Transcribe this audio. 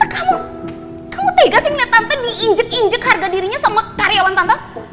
kamu tegas sih ngeliat tante diinjek injek harga dirinya sama karyawan tante